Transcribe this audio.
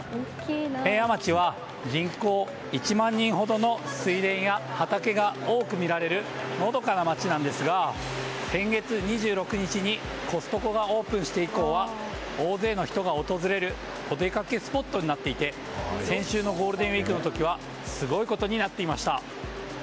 明和町は人口１万人ほどの水田や畑が多く見られるのどかな町なんですが先月２６日にコストコがオープンしてからは大勢の人が訪れるお出かけスポットになっていて先週のゴールデンウィークの時はすごいことになっていました。